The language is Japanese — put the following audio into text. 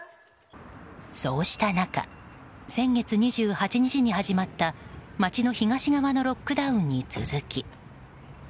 そうした中先月２８日に始まった街の東側のロックダウンに続き。